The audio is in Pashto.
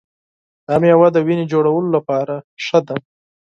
دا مېوه د وینې جوړولو لپاره مهمه ده.